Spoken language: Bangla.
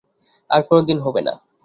আর কোনো দিন হবে না।